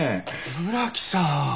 村木さん！